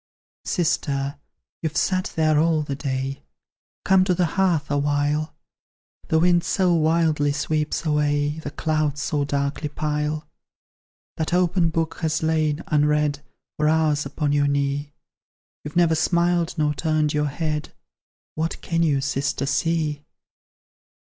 "Sister, you've sat there all the day, Come to the hearth awhile; The wind so wildly sweeps away, The clouds so darkly pile. That open book has lain, unread, For hours upon your knee; You've never smiled nor turned your head; What can you, sister, see?"